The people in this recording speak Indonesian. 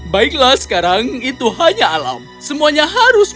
baiklah sekarang itu hanya alam semuanya harus